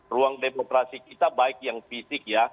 ruang demokrasi kita baik yang fisik ya